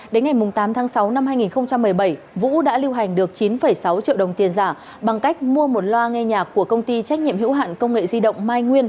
đến ngày tám tháng sáu năm hai nghìn một mươi bảy vũ đã lưu hành được chín sáu triệu đồng tiền giả bằng cách mua một loa nghe nhạc của công ty trách nhiệm hữu hạn công nghệ di động mai nguyên